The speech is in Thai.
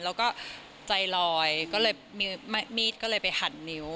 แล้วก็ใจลอยก็เลยมีมีดก็เลยไปหันนิ้ว